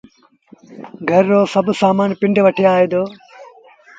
گھر رو سڀ سامآݩ پنڊ وٺي آئي دو